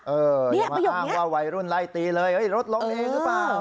อย่ามาอ้างว่าวัยรุ่นไล่ตีเลยรถล้มเองหรือเปล่า